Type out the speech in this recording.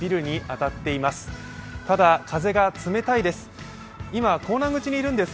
ただ風が冷たいです。